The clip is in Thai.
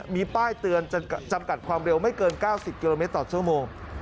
มีป้ายเตือนจำกัดความเร็วไม่เกิน๙๐กิโลเมตรต่อชั่วโมง